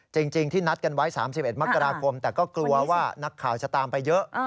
จริงที่นัดกันไว้๓๑มกราคมแต่ก็กลัวว่านักข่าวจะตามไปเยอะ